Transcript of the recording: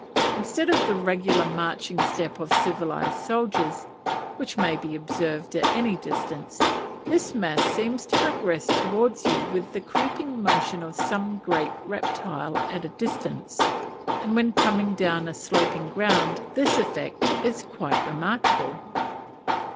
Instead of the regular marching step of civilized soldiers, which may be observed at any distance, this mass seems to progress towards you with the creeping motion of some great reptile at a distance, and when coming down a sloping ground this effect is quite remarkable.